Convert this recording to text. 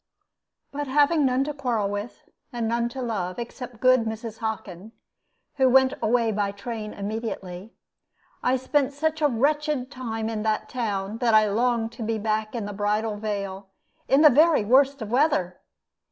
But having none to quarrel with, and none to love, except good Mrs. Hockin, who went away by train immediately, I spent such a wretched time in that town that I longed to be back in the Bridal Veil in the very worst of weather.